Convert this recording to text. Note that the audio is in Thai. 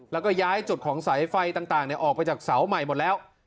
แล้วก็ย้ายจุดของสายไฟต่างออกไปจากเสาใหม่หมดแล้ว